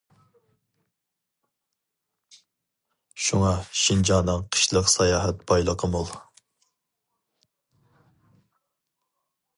شۇڭا، شىنجاڭنىڭ قىشلىق ساياھەت بايلىقى مول.